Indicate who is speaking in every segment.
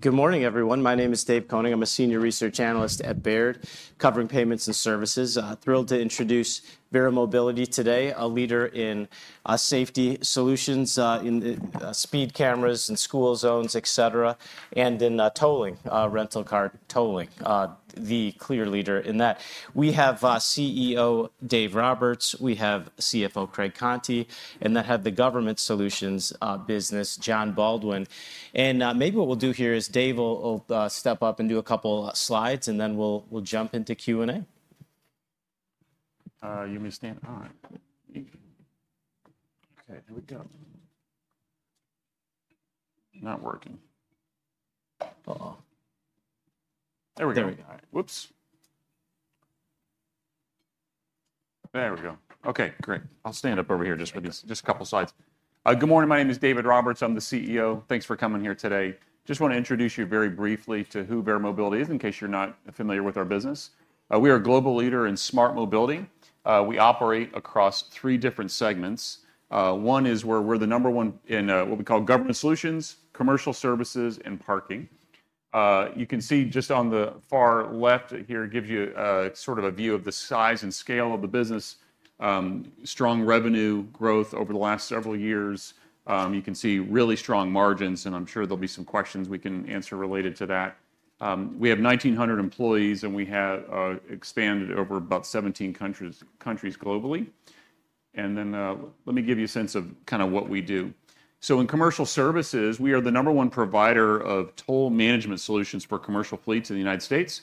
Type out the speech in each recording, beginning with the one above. Speaker 1: Good morning, everyone. My name is David Konig. I'm a Senior Research Analyst at Baird, covering payments and services. Thrilled to introduce Verra Mobility today, a leader in safety solutions in speed cameras and school zones, etc., and in tolling, rental car tolling, the clear leader in that. We have CEO Dave Roberts, we have CFO Craig Conti, and then have the government solutions business, Jon Baldwin. Maybe what we'll do here is Dave will step up and do a couple of slides, and then we'll jump into Q&A.
Speaker 2: You may stand on. Okay, here we go. Not working. Oh. There we go. There we go. All right. Whoops. There we go. Okay, great. I'll stand up over here just for these, just a couple of slides. Good morning. My name is David Roberts. I'm the CEO. Thanks for coming here today. Just want to introduce you very briefly to who Verra Mobility is, in case you're not familiar with our business. We are a global leader in smart mobility. We operate across three different segments. One is where we're the number one in what we call government solutions, commercial services, and parking. You can see just on the far left here, it gives you sort of a view of the size and scale of the business, strong revenue growth over the last several years. You can see really strong margins, and I'm sure there'll be some questions we can answer related to that. We have 1,900 employees, and we have expanded over about 17 countries globally. Let me give you a sense of kind of what we do. In commercial services, we are the number one provider of toll management solutions for commercial fleets in the United States.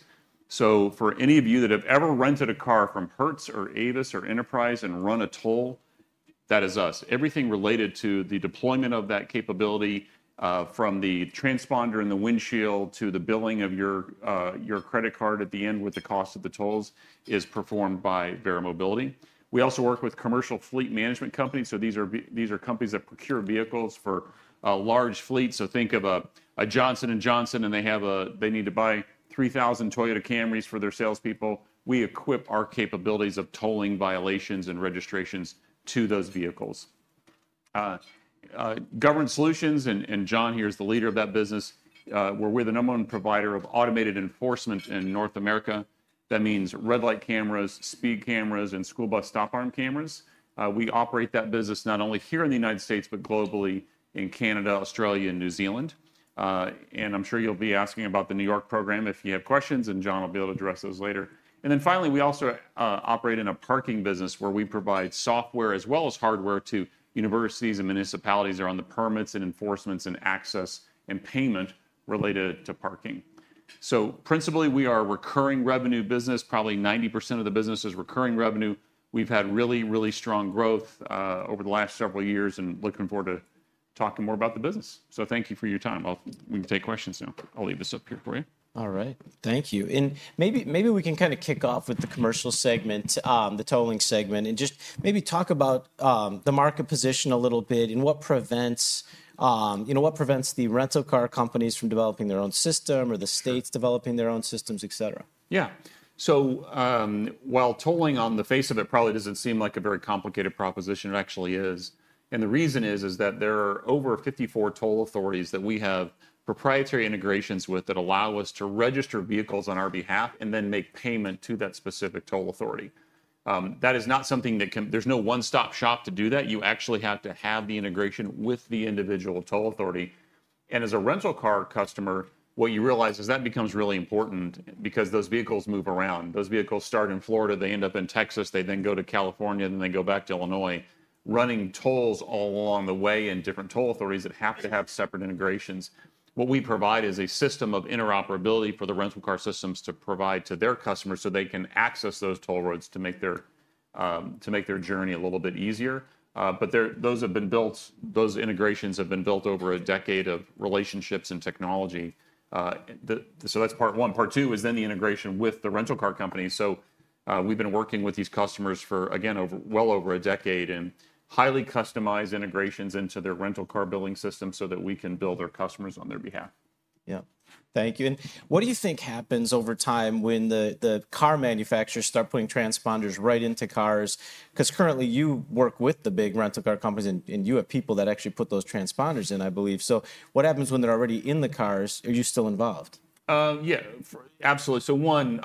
Speaker 2: For any of you that have ever rented a car from Hertz or Avis or Enterprise and run a toll, that is us. Everything related to the deployment of that capability, from the transponder in the windshield to the billing of your credit card at the end with the cost of the tolls, is performed by Verra Mobility. We also work with commercial fleet management companies. These are companies that procure vehicles for large fleets. Think of a Johnson & Johnson, and they need to buy 3,000 Toyota Camrys for their salespeople. We equip our capabilities of tolling, violations, and registrations to those vehicles. Government solutions, and Jon here is the leader of that business, we're the number one provider of automated enforcement in North America. That means red light cameras, speed cameras, and school bus stop arm cameras. We operate that business not only here in the United States, but globally in Canada, Australia, and New Zealand. I'm sure you'll be asking about the New York program if you have questions, and Jon will be able to address those later. Finally, we also operate in a parking business where we provide software as well as hardware to universities and municipalities around the permits and enforcements and access and payment related to parking. Principally, we are a recurring revenue business. Probably 90% of the business is recurring revenue. We've had really, really strong growth over the last several years and looking forward to talking more about the business. Thank you for your time. We can take questions now. I'll leave this up here for you.
Speaker 1: All right. Thank you. Maybe we can kind of kick off with the commercial segment, the tolling segment, and just maybe talk about the market position a little bit and what prevents, you know, what prevents the rental car companies from developing their own system or the states developing their own systems, etc.
Speaker 2: Yeah. While tolling on the face of it probably does not seem like a very complicated proposition, it actually is. The reason is that there are over 54 toll authorities that we have proprietary integrations with that allow us to register vehicles on our behalf and then make payment to that specific toll authority. That is not something that can, there is no one-stop shop to do that. You actually have to have the integration with the individual toll authority. As a rental car customer, what you realize is that becomes really important because those vehicles move around. Those vehicles start in Florida, they end up in Texas, they then go to California, then they go back to Illinois, running tolls all along the way in different toll authorities that have to have separate integrations. What we provide is a system of interoperability for the rental car systems to provide to their customers so they can access those toll roads to make their journey a little bit easier. Those have been built, those integrations have been built over a decade of relationships and technology. That is part one. Part two is then the integration with the rental car company. We have been working with these customers for, again, well over a decade and highly customized integrations into their rental car billing system so that we can bill their customers on their behalf.
Speaker 1: Yeah. Thank you. What do you think happens over time when the car manufacturers start putting transponders right into cars? Because currently you work with the big rental car companies and you have people that actually put those transponders in, I believe. What happens when they're already in the cars? Are you still involved?
Speaker 2: Yeah, absolutely. One,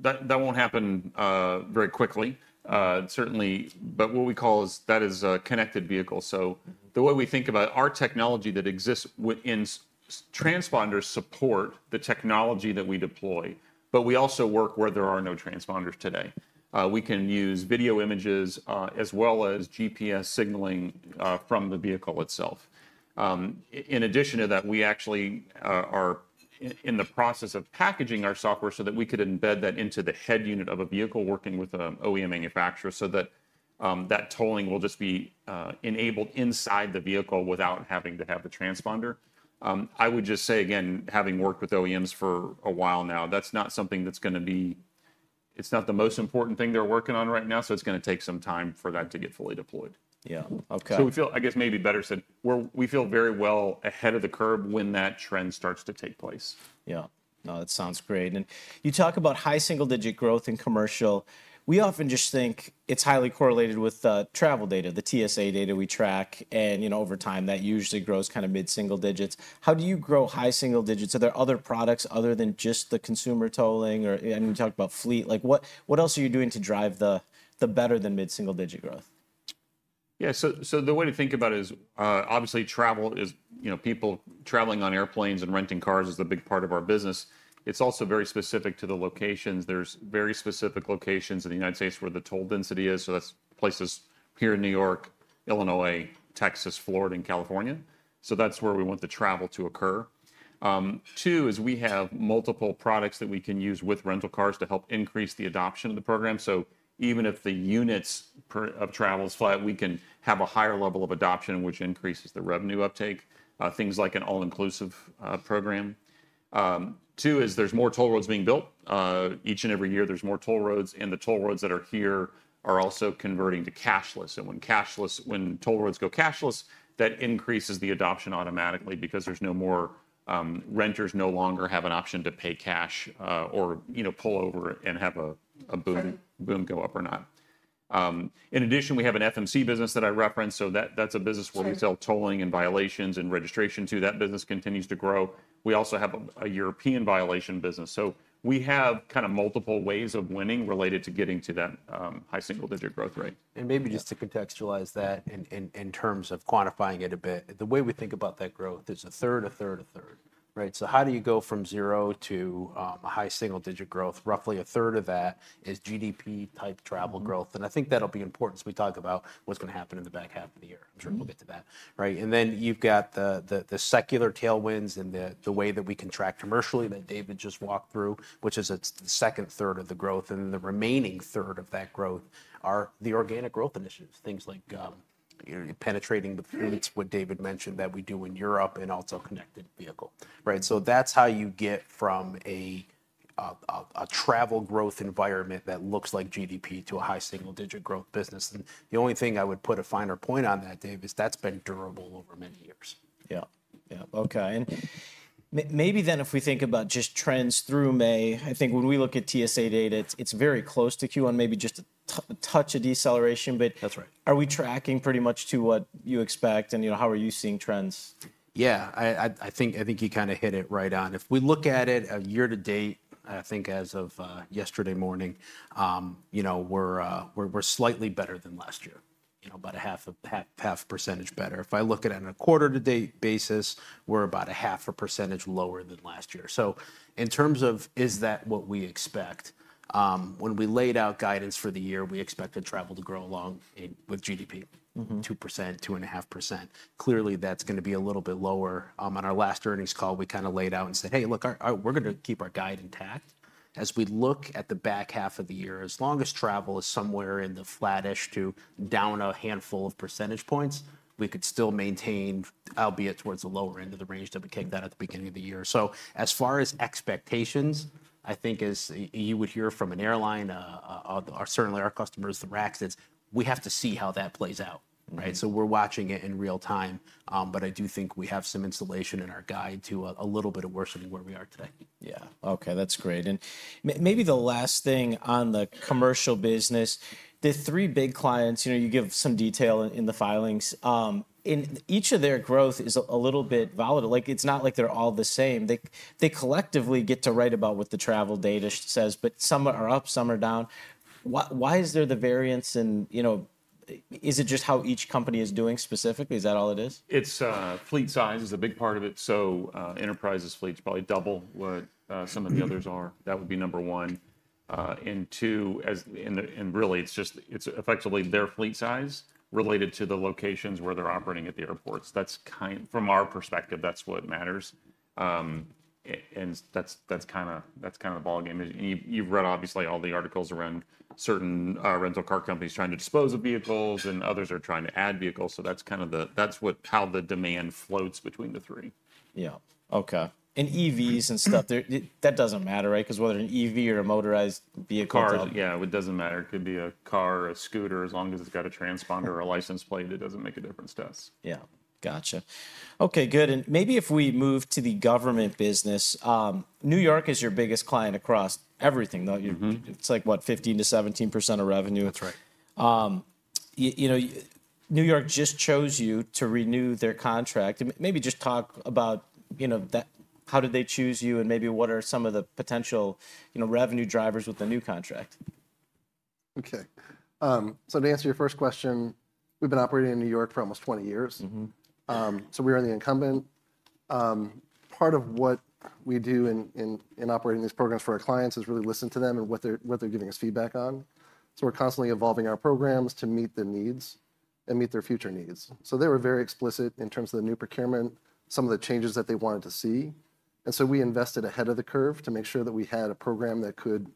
Speaker 2: that won't happen very quickly, certainly. What we call is that is a connected vehicle. The way we think about our technology that exists within transponders supports the technology that we deploy, but we also work where there are no transponders today. We can use video images as well as GPS signaling from the vehicle itself. In addition to that, we actually are in the process of packaging our software so that we could embed that into the head unit of a vehicle working with an OEM manufacturer so that that tolling will just be enabled inside the vehicle without having to have the transponder. I would just say, again, having worked with OEMs for a while now, that's not something that's going to be, it's not the most important thing they're working on right now, so it's going to take some time for that to get fully deployed.
Speaker 1: Yeah. Okay.
Speaker 2: We feel, I guess maybe better said, we feel very well ahead of the curve when that trend starts to take place.
Speaker 1: Yeah. No, that sounds great. You talk about high single-digit growth in commercial. We often just think it's highly correlated with travel data, the TSA data we track, and over time that usually grows kind of mid-single digits. How do you grow high single digits? Are there other products other than just the consumer tolling? We talked about fleet. Like what else are you doing to drive the better than mid-single digit growth?
Speaker 2: Yeah. So the way to think about it is obviously travel is, you know, people traveling on airplanes and renting cars is a big part of our business. It's also very specific to the locations. There are very specific locations in the U.S. where the toll density is. So that's places here in New York, Illinois, Texas, Florida, and California. That's where we want the travel to occur. Two is we have multiple products that we can use with rental cars to help increase the adoption of the program. So even if the units of travel are flat, we can have a higher level of adoption, which increases the revenue uptake, things like an all-inclusive program. Two is there are more toll roads being built. Each and every year there are more toll roads, and the toll roads that are here are also converting to cashless. When toll roads go cashless, that increases the adoption automatically because renters no longer have an option to pay cash or pull over and have a boom go up or not. In addition, we have an FMC business that I referenced. That is a business where we sell tolling and violations and registration too. That business continues to grow. We also have a European violation business. We have kind of multiple ways of winning related to getting to that high single-digit growth rate.
Speaker 3: Maybe just to contextualize that in terms of quantifying it a bit, the way we think about that growth is a third, a third, a third, right? How do you go from zero to a high single-digit growth? Roughly a third of that is GDP-type travel growth. I think that'll be important as we talk about what's going to happen in the back half of the year. I'm sure we'll get to that, right? Then you've got the secular tailwinds and the way that we can track commercially that David just walked through, which is the second third of the growth. The remaining third of that growth are the organic growth initiatives, things like penetrating the fleets, what David mentioned that we do in Europe and also connected vehicle, right? That's how you get from a travel growth environment that looks like GDP to a high single-digit growth business. The only thing I would put a finer point on that, Dave, is that's been durable over many years.
Speaker 1: Yeah. Yeah. Okay. Maybe then if we think about just trends through May, I think when we look at TSA data, it is very close to Q1, maybe just a touch of deceleration. Are we tracking pretty much to what you expect? How are you seeing trends?
Speaker 3: Yeah. I think you kind of hit it right on. If we look at it year to date, I think as of yesterday morning, you know, we're slightly better than last year, you know, about a half % better. If I look at it on a quarter-to-date basis, we're about a half % lower than last year. In terms of is that what we expect, when we laid out guidance for the year, we expected travel to grow along with GDP, 2%-2.5%. Clearly, that's going to be a little bit lower. On our last earnings call, we kind of laid out and said, "Hey, look, we're going to keep our guide intact." As we look at the back half of the year, as long as travel is somewhere in the flattish to down a handful of percentage points, we could still maintain, albeit towards the lower end of the range that we kicked out at the beginning of the year. As far as expectations, I think as you would hear from an airline, certainly our customers, the racks, it's we have to see how that plays out, right? We are watching it in real time. I do think we have some insulation in our guide to a little bit of worsening where we are today.
Speaker 1: Yeah. Okay. That's great. Maybe the last thing on the commercial business, the three big clients, you know, you give some detail in the filings, and each of their growth is a little bit volatile. Like it's not like they're all the same. They collectively get to write about what the travel data says, but some are up, some are down. Why is there the variance? You know, is it just how each company is doing specifically? Is that all it is?
Speaker 3: Fleet size is a big part of it. Enterprise's fleet is probably double what some of the others are. That would be number one. Two, really it's just, it's effectively their fleet size related to the locations where they're operating at the airports. That's kind of, from our perspective, that's what matters. That's kind of the ballgame. You've read obviously all the articles around certain rental car companies trying to dispose of vehicles and others are trying to add vehicles. That's kind of the, that's how the demand floats between the three.
Speaker 1: Yeah. Okay. EVs and stuff, that doesn't matter, right? Because whether an EV or a motorized vehicle.
Speaker 3: Car, yeah, it doesn't matter. It could be a car, a scooter, as long as it's got a transponder or a license plate, it doesn't make a difference to us.
Speaker 1: Yeah. Gotcha. Okay. Good. Maybe if we move to the government business, New York is your biggest client across everything, though. It's like, what, 15-17% of revenue.
Speaker 2: That's right.
Speaker 1: You know, New York just chose you to renew their contract. Maybe just talk about, you know, how did they choose you and maybe what are some of the potential, you know, revenue drivers with the new contract?
Speaker 3: Okay. To answer your first question, we've been operating in New York for almost 20 years. We are the incumbent. Part of what we do in operating these programs for our clients is really listen to them and what they're giving us feedback on. We're constantly evolving our programs to meet the needs and meet their future needs. They were very explicit in terms of the new procurement, some of the changes that they wanted to see. We invested ahead of the curve to make sure that we had a program that could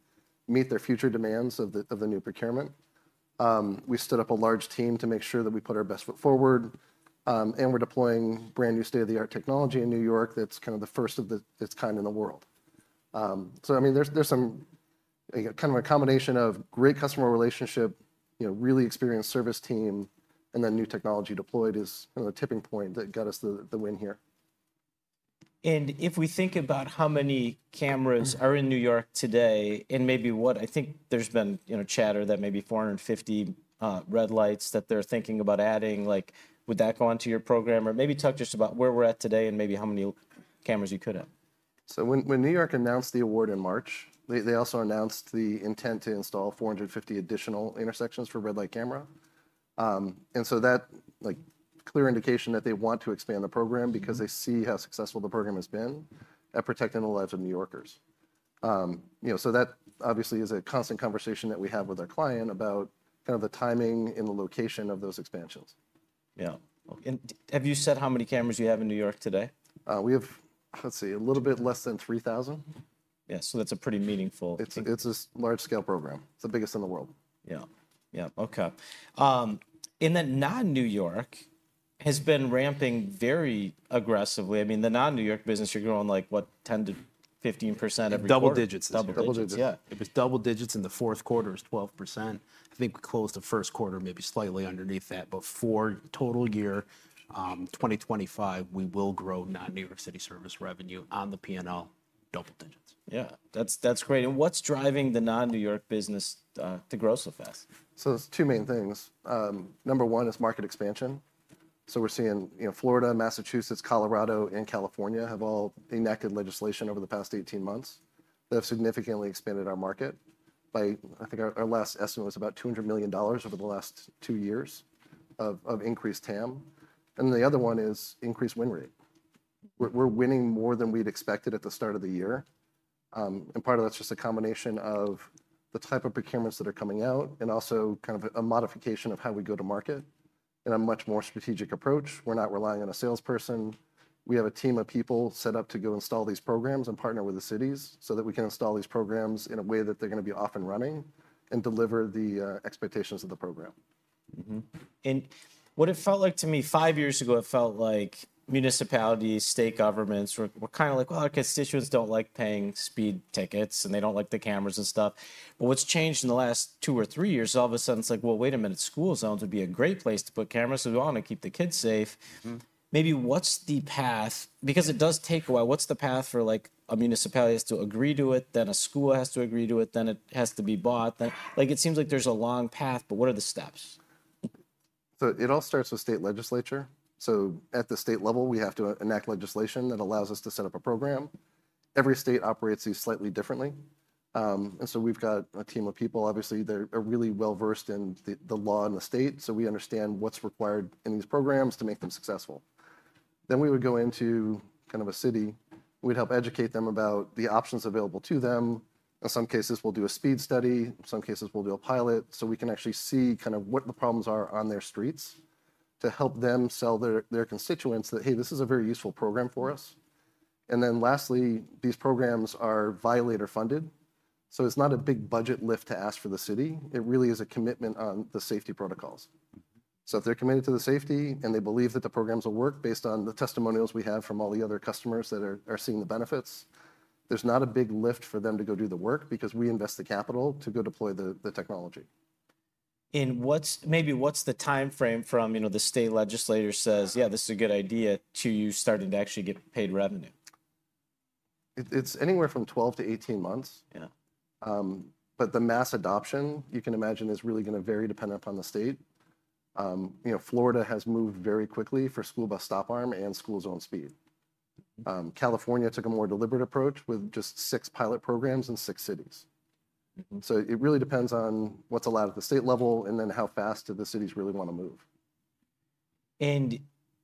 Speaker 3: meet their future demands of the new procurement. We stood up a large team to make sure that we put our best foot forward. We're deploying brand new state-of-the-art technology in New York that's kind of the first of its kind in the world. I mean, there's some kind of a combination of great customer relationship, you know, really experienced service team, and then new technology deployed is kind of the tipping point that got us the win here.
Speaker 1: If we think about how many cameras are in New York today and maybe what I think there's been, you know, chatter that maybe 450 red lights that they're thinking about adding, like would that go onto your program or maybe talk just about where we're at today and maybe how many cameras you could have?
Speaker 3: When New York announced the award in March, they also announced the intent to install 450 additional intersections for red light camera. And so that's like a clear indication that they want to expand the program because they see how successful the program has been at protecting the lives of New Yorkers. You know, so that obviously is a constant conversation that we have with our client about kind of the timing and the location of those expansions.
Speaker 1: Yeah. Have you said how many cameras you have in New York today?
Speaker 3: We have, let's see, a little bit less than 3,000.
Speaker 1: Yeah. So that's a pretty meaningful.
Speaker 3: It's a large-scale program. It's the biggest in the world.
Speaker 1: Yeah. Yeah. Okay. And then non-New York has been ramping very aggressively. I mean, the non-New York business, you're growing like what, 10-15% every quarter?
Speaker 2: Double digits.
Speaker 3: Double digits. Yeah. It was double digits in the fourth quarter, it is 12%. I think we closed the first quarter maybe slightly underneath that. For total year 2025, we will grow non-New York City service revenue on the P&L double digits.
Speaker 2: Yeah. That's great. What's driving the non-New York business to grow so fast?
Speaker 3: There are two main things. Number one is market expansion. We're seeing, you know, Florida, Massachusetts, Colorado, and California have all enacted legislation over the past 18 months that have significantly expanded our market by, I think our last estimate was about $200 million over the last two years of increased TAM. The other one is increased win rate. We're winning more than we'd expected at the start of the year. Part of that's just a combination of the type of procurements that are coming out and also kind of a modification of how we go to market in a much more strategic approach. We're not relying on a salesperson. We have a team of people set up to go install these programs and partner with the cities so that we can install these programs in a way that they're going to be off and running and deliver the expectations of the program.
Speaker 1: What it felt like to me five years ago, it felt like municipalities, state governments were kind of like, well, our constituents do not like paying speed tickets and they do not like the cameras and stuff. What has changed in the last two or three years is all of a sudden it is like, well, wait a minute, school zones would be a great place to put cameras. We want to keep the kids safe. Maybe what is the path? Because it does take a while. What is the path for, like, a municipality has to agree to it, then a school has to agree to it, then it has to be bought. It seems like there is a long path, but what are the steps?
Speaker 3: It all starts with state legislature. At the state level, we have to enact legislation that allows us to set up a program. Every state operates these slightly differently. We have a team of people, obviously, that are really well versed in the law in the state. We understand what's required in these programs to make them successful. We would go into kind of a city. We'd help educate them about the options available to them. In some cases, we'll do a speed study. In some cases, we'll do a pilot so we can actually see kind of what the problems are on their streets to help them sell their constituents that, hey, this is a very useful program for us. Lastly, these programs are violator-funded. It's not a big budget lift to ask for the city. It really is a commitment on the safety protocols. If they're committed to the safety and they believe that the programs will work based on the testimonials we have from all the other customers that are seeing the benefits, there's not a big lift for them to go do the work because we invest the capital to go deploy the technology.
Speaker 1: Maybe what's the timeframe from, you know, the state legislature says, yeah, this is a good idea to you starting to actually get paid revenue?
Speaker 3: It's anywhere from 12-18 months. Yeah. You can imagine, mass adoption is really going to vary depending upon the state. You know, Florida has moved very quickly for school bus stop arm and school zone speed. California took a more deliberate approach with just six pilot programs in six cities. It really depends on what's allowed at the state level and then how fast do the cities really want to move.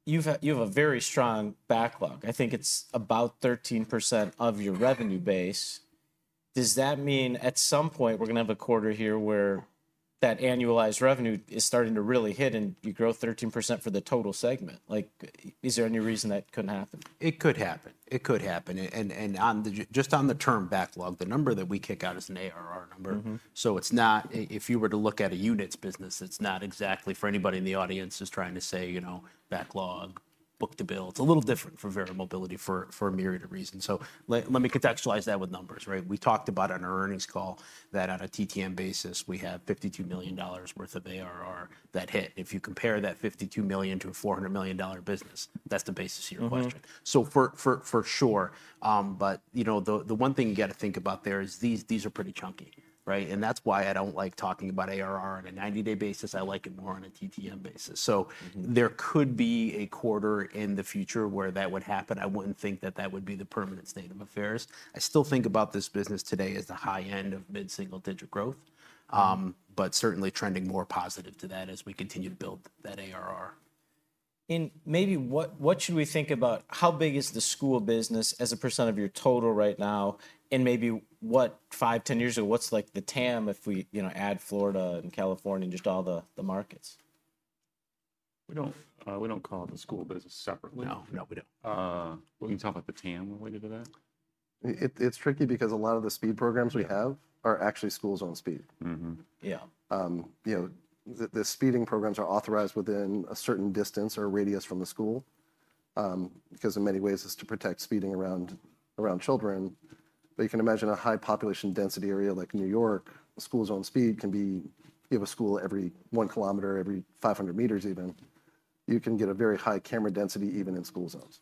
Speaker 1: You have a very strong backlog. I think it's about 13% of your revenue base. Does that mean at some point we're going to have a quarter here where that annualized revenue is starting to really hit and you grow 13% for the total segment? Like is there any reason that couldn't happen?
Speaker 2: It could happen. It could happen. And just on the term backlog, the number that we kick out is an ARR number. So it's not, if you were to look at a units business, it's not exactly for anybody in the audience who's trying to say, you know, backlog, book to bill. It's a little different for Verra Mobility for a myriad of reasons. So let me contextualize that with numbers, right? We talked about on our earnings call that on a TTM basis, we have $52 million worth of ARR that hit. If you compare that $52 million to a $400 million business, that's the basis of your question. For sure. But you know, the one thing you got to think about there is these are pretty chunky, right? And that's why I don't like talking about ARR on a 90-day basis. I like it more on a TTM basis. There could be a quarter in the future where that would happen. I would not think that that would be the permanent state of affairs. I still think about this business today as the high end of mid-single digit growth, but certainly trending more positive to that as we continue to build that ARR.
Speaker 1: Maybe what should we think about? How big is the school business as a percent of your total right now? Maybe what, five, ten years ago, what's like the TAM if we, you know, add Florida and California and just all the markets?
Speaker 3: We don't call it the school business separately.
Speaker 1: No. No, we don't. We can talk about the TAM when we get to that.
Speaker 3: It's tricky because a lot of the speed programs we have are actually school zone speed.
Speaker 1: Yeah.
Speaker 3: You know, the speeding programs are authorized within a certain distance or radius from the school because in many ways it's to protect speeding around children. You can imagine a high population density area like New York, a school zone speed can be, you have a school every 1 kilometer, every 500 meters even. You can get a very high camera density even in school zones.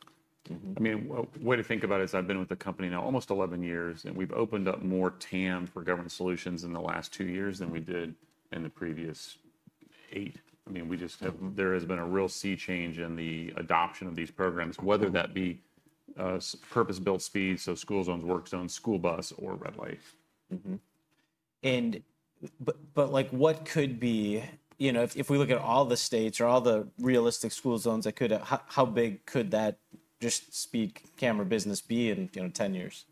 Speaker 2: I mean, the way to think about it is I've been with the company now almost 11 years and we've opened up more TAM for government solutions in the last two years than we did in the previous eight. I mean, we just have, there has been a real sea change in the adoption of these programs, whether that be purpose-built speeds, so school zones, work zones, school bus, or red light.
Speaker 1: Like what could be, you know, if we look at all the states or all the realistic school zones, how big could that just speed camera business be in, you know, 10 years?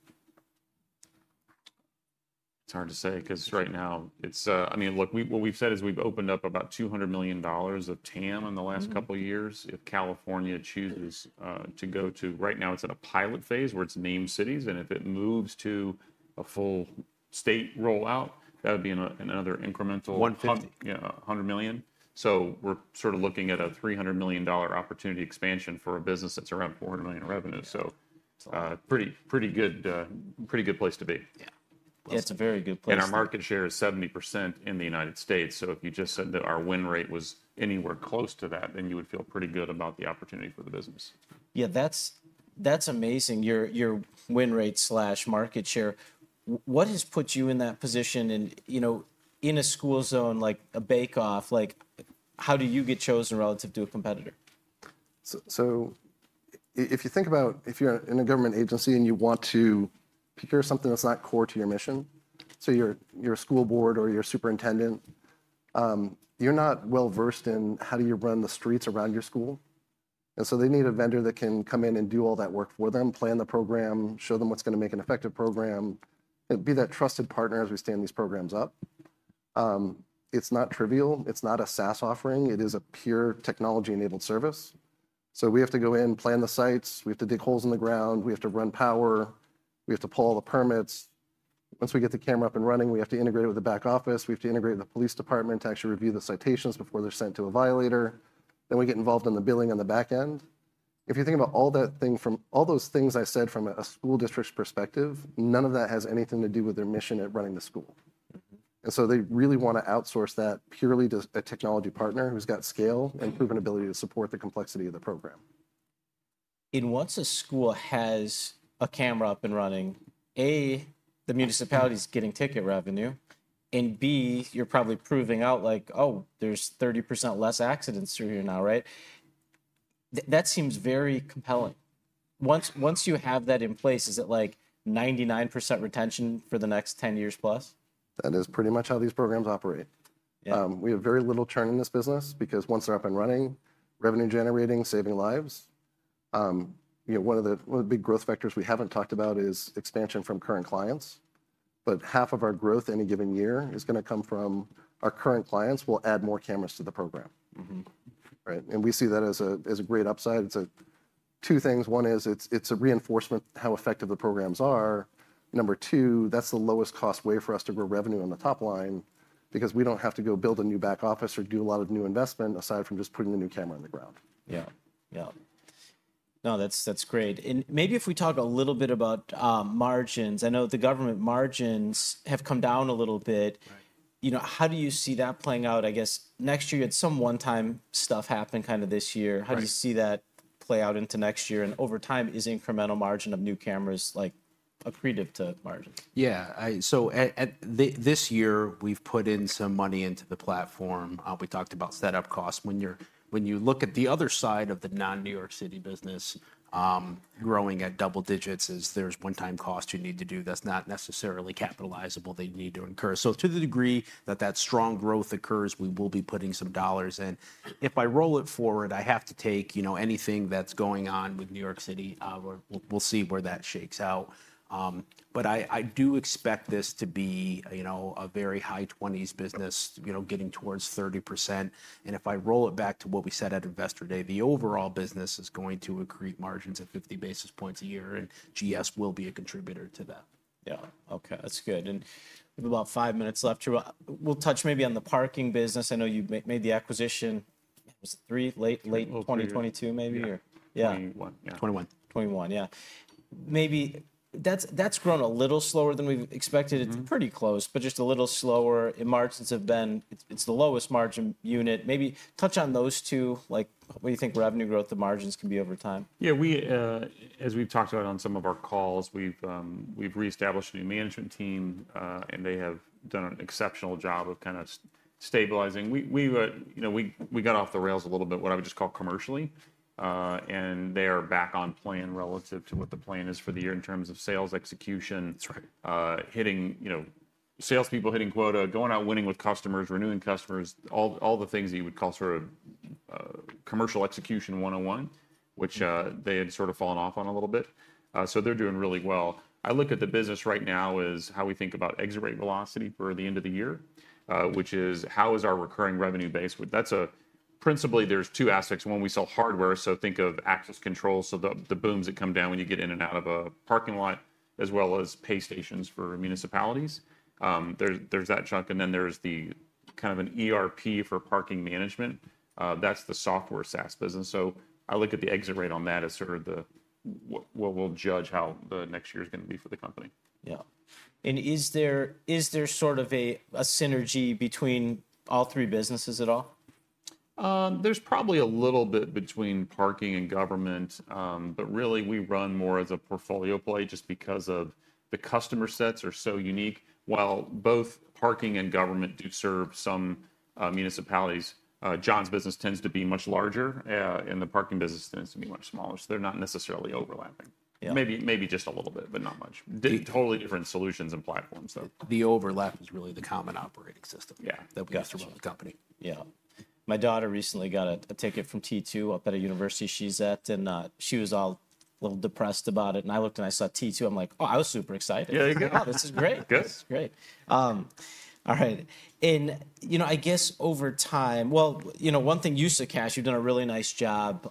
Speaker 2: It's hard to say because right now it's, I mean, look, what we've said is we've opened up about $200 million of TAM in the last couple of years if California chooses to go to. Right now it's at a pilot phase where it's named cities. If it moves to a full state rollout, that would be another incremental. 150. Yeah, $100 million. So we're sort of looking at a $300 million opportunity expansion for a business that's around $400 million in revenue. So pretty good, pretty good place to be.
Speaker 1: Yeah. That's a very good place.
Speaker 2: Our market share is 70% in the United States. If you just said that our win rate was anywhere close to that, then you would feel pretty good about the opportunity for the business.
Speaker 1: Yeah, that's amazing. Your win rate slash market share. What has put you in that position? You know, in a school zone like a bake-off, how do you get chosen relative to a competitor?
Speaker 3: If you think about, if you're in a government agency and you want to procure something that's not core to your mission, so you're a school board or you're a superintendent, you're not well versed in how do you run the streets around your school. They need a vendor that can come in and do all that work for them, plan the program, show them what's going to make an effective program, be that trusted partner as we stand these programs up. It's not trivial. It's not a SaaS offering. It is a pure technology-enabled service. We have to go in, plan the sites. We have to dig holes in the ground. We have to run power. We have to pull all the permits. Once we get the camera up and running, we have to integrate with the back office. We have to integrate with the police department to actually review the citations before they're sent to a violator. Then we get involved in the billing on the back end. If you think about all those things I said from a school district's perspective, none of that has anything to do with their mission at running the school. They really want to outsource that purely to a technology partner who's got scale and proven ability to support the complexity of the program.
Speaker 1: Once a school has a camera up and running, A, the municipality is getting ticket revenue, and B, you're probably proving out like, oh, there's 30% less accidents through here now, right? That seems very compelling. Once you have that in place, is it like 99% retention for the next 10 years plus?
Speaker 3: That is pretty much how these programs operate. We have very little churn in this business because once they're up and running, revenue generating, saving lives. You know, one of the big growth factors we haven't talked about is expansion from current clients. Half of our growth any given year is going to come from our current clients will add more cameras to the program. Right? We see that as a great upside. It's two things. One is it's a reinforcement how effective the programs are. Number two, that's the lowest cost way for us to grow revenue on the top line because we don't have to go build a new back office or do a lot of new investment aside from just putting a new camera on the ground.
Speaker 1: Yeah. Yeah. No, that's great. Maybe if we talk a little bit about margins, I know the government margins have come down a little bit. You know, how do you see that playing out? I guess next year you had some one-time stuff happen kind of this year. How do you see that play out into next year? Over time, is incremental margin of new cameras like accretive to margins?
Speaker 2: Yeah. So this year we've put in some money into the platform. We talked about setup costs. When you look at the other side of the non-New York City business growing at double digits is there's one-time costs you need to do that's not necessarily capitalizable they need to incur. To the degree that that strong growth occurs, we will be putting some dollars in. If I roll it forward, I have to take, you know, anything that's going on with New York City. We'll see where that shakes out. I do expect this to be, you know, a very high 20s business, you know, getting towards 30%. If I roll it back to what we said at investor day, the overall business is going to accrete margins at 50 basis points a year. GS will be a contributor to that.
Speaker 1: Yeah. Okay. That's good. We have about five minutes left here. We'll touch maybe on the parking business. I know you made the acquisition. Was it three, late, late 2022 maybe?
Speaker 2: 2021.
Speaker 1: Yeah.
Speaker 2: 2021.
Speaker 1: 2021. Yeah. Maybe that's grown a little slower than we've expected. It's pretty close, but just a little slower. Margins have been, it's the lowest margin unit. Maybe touch on those two. Like what do you think revenue growth, the margins can be over time?
Speaker 2: Yeah. We, as we've talked about on some of our calls, we've reestablished a new management team and they have done an exceptional job of kind of stabilizing. We, you know, we got off the rails a little bit what I would just call commercially. And they are back on plan relative to what the plan is for the year in terms of sales execution.
Speaker 1: That's right.
Speaker 2: Hitting, you know, salespeople hitting quota, going out winning with customers, renewing customers, all the things that you would call sort of commercial execution 101, which they had sort of fallen off on a little bit. They are doing really well. I look at the business right now as how we think about exit rate velocity for the end of the year, which is how is our recurring revenue base. That is, principally there are two aspects. One, we sell hardware. Think of access controls, the booms that come down when you get in and out of a parking lot, as well as pay stations for municipalities. There is that chunk. Then there is the kind of an ERP for parking management. That is the software SaaS business. I look at the exit rate on that as sort of the, what we'll judge how the next year is going to be for the company.
Speaker 1: Yeah. Is there sort of a synergy between all three businesses at all?
Speaker 2: There's probably a little bit between parking and government, but really we run more as a portfolio play just because the customer sets are so unique. While both parking and government do serve some municipalities, Jon's business tends to be much larger and the parking business tends to be much smaller. They are not necessarily overlapping. Maybe just a little bit, but not much. Totally different solutions and platforms though. The overlap is really the common operating system.
Speaker 1: Yeah.
Speaker 2: That we have throughout the company.
Speaker 1: Yeah. My daughter recently got a ticket from T2 up at a university she's at. And she was all a little depressed about it. I looked and I saw T2. I'm like, oh, I was super excited.
Speaker 2: Yeah, you go. This is great. Good.
Speaker 1: This is great. All right. You know, I guess over time, you know, one thing you said, Cash, you've done a really nice job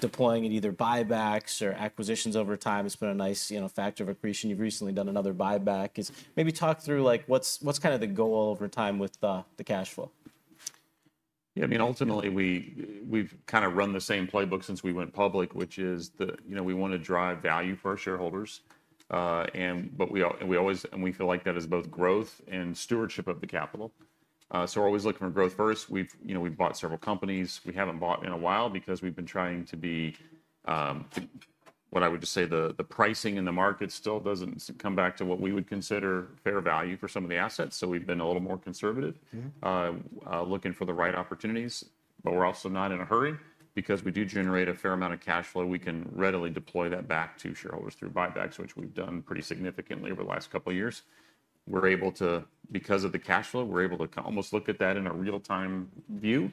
Speaker 1: deploying either buybacks or acquisitions over time. It's been a nice, you know, factor of accretion. You've recently done another buyback. Maybe talk through like what's kind of the goal over time with the cash flow?
Speaker 2: Yeah. I mean, ultimately we've kind of run the same playbook since we went public, which is the, you know, we want to drive value for our shareholders. We always, and we feel like that is both growth and stewardship of the capital. So we're always looking for growth first. We've, you know, we've bought several companies. We haven't bought in a while because we've been trying to be, what I would just say the pricing in the market still doesn't come back to what we would consider fair value for some of the assets. We've been a little more conservative, looking for the right opportunities. We're also not in a hurry because we do generate a fair amount of cash flow. We can readily deploy that back to shareholders through buybacks, which we've done pretty significantly over the last couple of years. We're able to, because of the cash flow, we're able to almost look at that in a real-time view.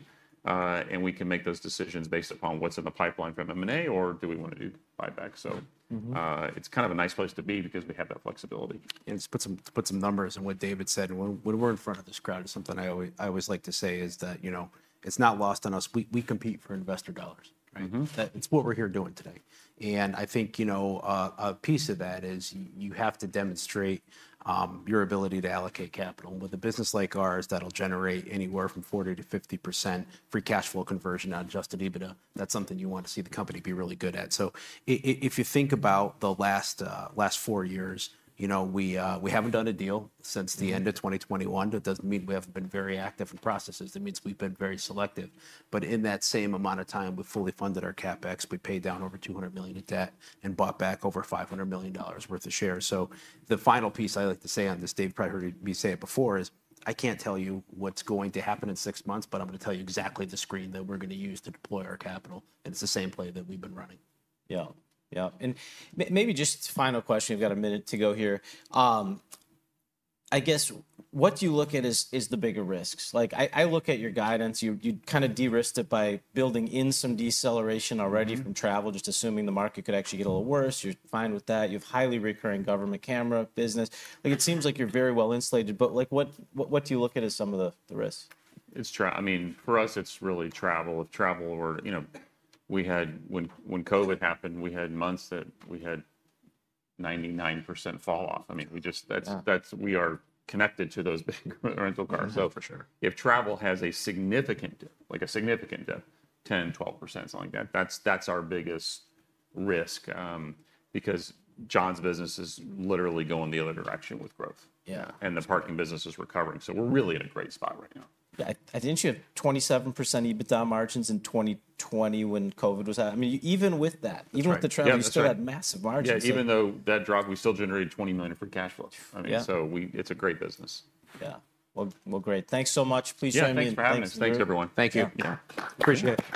Speaker 2: We can make those decisions based upon what's in the pipeline from M&A or do we want to do buybacks. It's kind of a nice place to be because we have that flexibility.
Speaker 3: To put some numbers on what David said, when we're in front of this crowd, something I always like to say is that, you know, it's not lost on us. We compete for investor dollars, right? That's what we're here doing today. I think, you know, a piece of that is you have to demonstrate your ability to allocate capital. With a business like ours that'll generate anywhere from 40-50% free cash flow conversion on adjusted EBITDA, that's something you want to see the company be really good at. If you think about the last four years, you know, we haven't done a deal since the end of 2021. It doesn't mean we haven't been very active in processes. It means we've been very selective. In that same amount of time, we fully funded our CapEx. We paid down over $200 million in debt and bought back over $500 million worth of shares. The final piece I like to say on this, David probably heard me say it before, is I can't tell you what's going to happen in six months, but I'm going to tell you exactly the screen that we're going to use to deploy our capital. It's the same play that we've been running.
Speaker 1: Yeah. Maybe just final question. We've got a minute to go here. I guess what do you look at as the bigger risks? I look at your guidance. You kind of de-risked it by building in some deceleration already from travel, just assuming the market could actually get a little worse. You're fine with that. You have highly recurring government camera business. Like it seems like you're very well insulated, but like what do you look at as some of the risks?
Speaker 2: It's true. I mean, for us, it's really travel. Travel or, you know, we had when COVID happened, we had months that we had 99% falloff. I mean, we just, that's, we are connected to those big rental cars. If travel has a significant dip, like a significant dip, 10-12%, something like that, that's our biggest risk because Jon's business is literally going the other direction with growth.
Speaker 1: Yeah.
Speaker 2: The parking business is recovering. So we're really in a great spot right now.
Speaker 1: I think you have 27% EBITDA margins in 2020 when COVID was out. I mean, even with that, even with the travel, you still had massive margins.
Speaker 2: Yeah. Even though that drop, we still generated $20 million for cash flow. I mean, so we, it's a great business.
Speaker 1: Yeah. Great. Thanks so much. Please join me in the next round.
Speaker 2: Thanks, Travis. Thanks, everyone.
Speaker 1: Thank you.
Speaker 2: Yeah.
Speaker 1: Appreciate it.